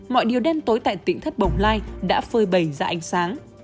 mọi điều đêm tối tại tỉnh thất bồng lai đã phơi bầy ra ánh sáng